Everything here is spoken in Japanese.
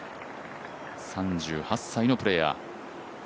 ３８歳のプレーヤー。